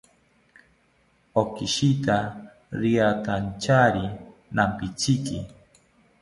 Okishita riantanchari nampitziki